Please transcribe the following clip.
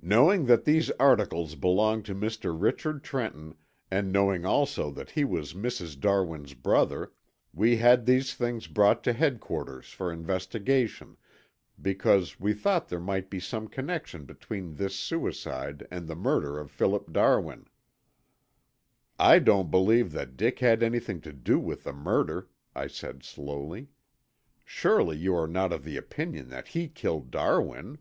"Knowing that these articles belonged to Mr. Richard Trenton, and knowing also that he was Mrs. Darwin's brother, we had these things brought to Headquarters for investigation, because we thought there might be some connection between this suicide and the murder of Philip Darwin." "I don't believe that Dick had anything to do with the murder," I said slowly. "Surely you are not of the opinion that he killed Darwin?"